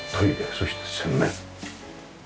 そして洗面。